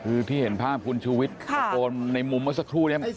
คือที่เห็นภาพคุณชูวิทรตะโกนไปสุดเดี๋ยว